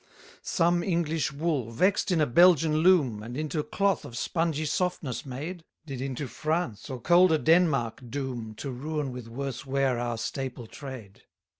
207 Some English wool, vex'd in a Belgian loom, And into cloth of spungy softness made, Did into France, or colder Denmark, doom, To ruin with worse ware our staple trade.